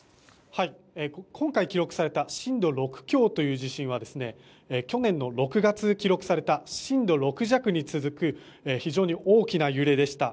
今回記録された震度６強という地震は去年の６月記録された震度６弱に続く非常に大きな揺れでした。